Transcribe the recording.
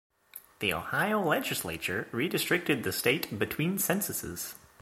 The Ohio Legislature redistricted the state between censuses.